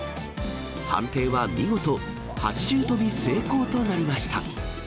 判定は見事、８重跳び成功となりました。